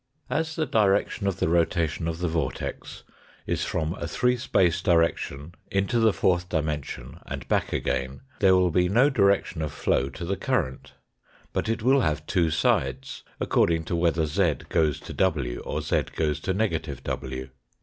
As the direction of the rotation of the vortex is from a three space direction into the fourth dimension and back again, there will be no direction of flow to the current ; but it will have two sides, according to whether z goes to w or z goes to negative w.